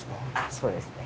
そうですね。